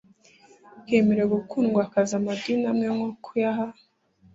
bwemerewe gukundwakaza amadini amwe nko kuyaha